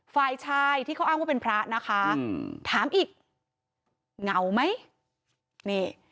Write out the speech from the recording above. ฝ่ายชายที่เขาอ้างว่าเป็นพระนะคะถามอีกเหงาไหมนี่